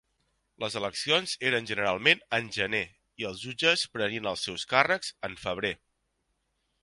Les eleccions eren generalment en gener, i els jutges prenien els seus càrrecs en febrer.